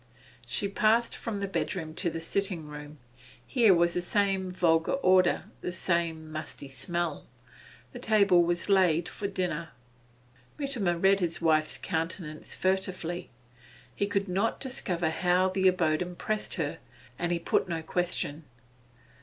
She passed from the bedroom to the sitting room; here was the same vulgar order, the same musty smell. The table was laid for dinner. Mutimer read his wife's countenance furtively. He could not discover how the abode impressed her, and he put no question.